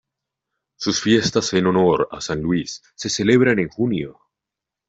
Sus fiestas en honor a San Luis se celebran en junio.